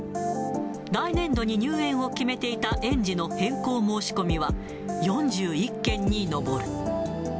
来年度に入園を決めていた園児の変更申し込みは４１件に上る。